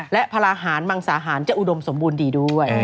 และพระราหารมังสาหารจะอุดมสมบูรณ์ดีด้วย